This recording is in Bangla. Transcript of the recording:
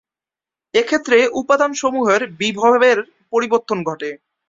এক্ষেত্রে উপাদানসমূহের বিভবের পরিবর্তন ঘটে।